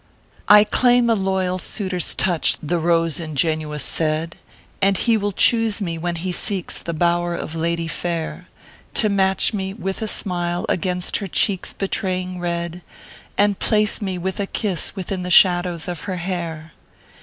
ORPHEUS C. KERR PAPERS. 331 * I claim a loyal suitor s touch," the Rose ingenuous said, "And ho will choose mo when he seeks the bow r of lady fair, To match me, with a smile, against her check s betraying red, And place me, with a kiss, within the shadows of her hair."